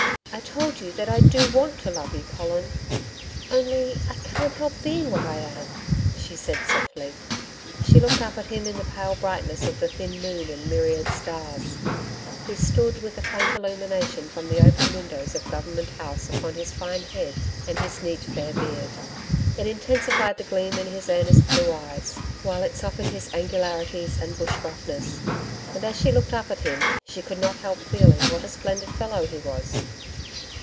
'I told you that I do WANT to love you, Colin only I can't help being what I am,' she said softly. She looked up at him in the pale brightness of the thin moon and myriad stars. He stood with the faint illumination from the open windows of Government House upon his fine head and his neat fair beard. It intensified the gleam in his earnest blue eyes, while it softened his angularities and bush roughness, and as she looked up at him, she could not help feeling what a splendid fellow he was!